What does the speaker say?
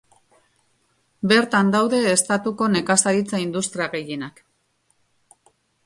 Bertan daude estatuko nekazaritza-industria gehienak.